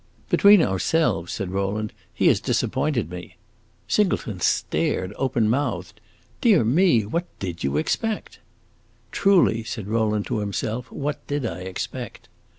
"Between ourselves," said Rowland, "he has disappointed me." Singleton stared, open mouthed. "Dear me, what did you expect?" "Truly," said Rowland to himself, "what did I expect?"